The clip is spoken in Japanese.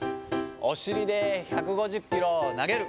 お尻で１５０キロを投げる。